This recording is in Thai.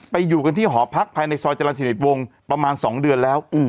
อยู่กันที่หอพักภายในซอยจรรย์สนิทวงศ์ประมาณ๒เดือนแล้ว